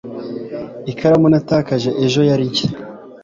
ikaramu natakaje ejo yari nshya